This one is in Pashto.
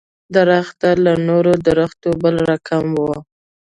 درخت له نورو درختو بل رقم و.